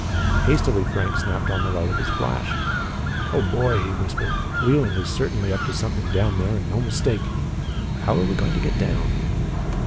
Hastily Frank snapped on the light of his flash. "Oh boy!" he whispered. "Leland is certainly up to something down there and no mistake! How're we going to get down?"